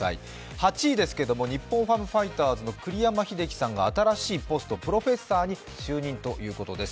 ８位ですけれども、日本ハムファイターズの栗山英樹さんが新しいポスト、プロフェッサーに就任ということです。